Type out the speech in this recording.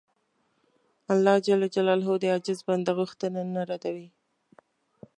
الله د عاجز بنده غوښتنه نه ردوي.